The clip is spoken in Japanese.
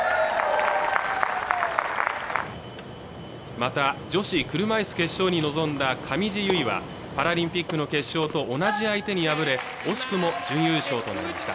また女子車いす決勝に臨んだ上地結衣はパラリンピックの決勝と同じ相手に敗れ惜しくも準優勝となりました